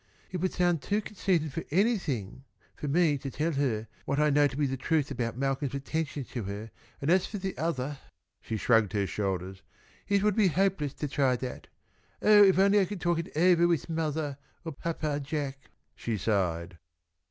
It would sound too conceited for anything for me to tell her what I know to be the truth about Malcolm's attentions to her, and as for the othah " she shrugged her shoulders. "It would be hopeless to try that. Oh, if I could only talk it ovah with mothah or Papa Jack!" she sighed.